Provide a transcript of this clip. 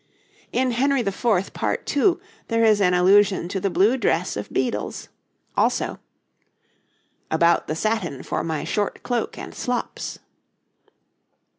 In 'Henry IV.,' Part II., there is an allusion to the blue dress of Beadles. Also: 'About the satin for my short cloak and slops.'